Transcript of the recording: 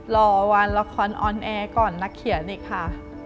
รอวันละครออนแอร์ก่อนนักเขียนอีกค่ะ